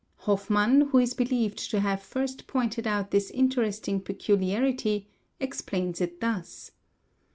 — Hofmann, who is believed to have first pointed out this interesting pecu liarity, explains it thus.